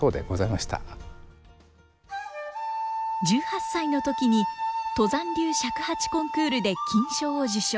１８歳の時に都山流尺八コンクールで金賞を受賞。